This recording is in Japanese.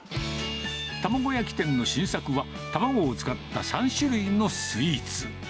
卵焼き店の新作は、卵を使った３種類のスイーツ。